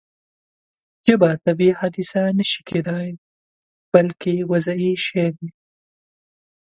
ژبه طبیعي حادثه نه شي کېدای بلکې وضعي شی دی.